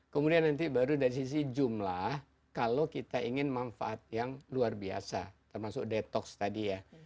kemudian nanti baru dari sisi jumlah kalau kita ingin manfaat yang luar biasa termasuk detox tadi ya